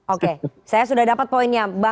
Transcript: oke saya sudah dapat poinnya